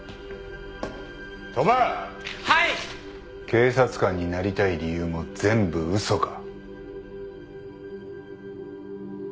警察官になりたい理由も全部嘘か？